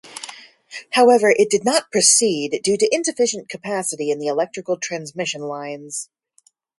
However it did not proceed due to insufficient capacity in the electrical transmission lines.